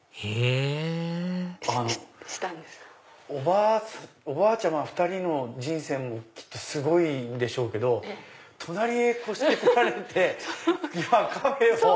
へぇおばあちゃま２人の人生もきっとすごいんでしょうけど隣へ越して来られて今カフェを。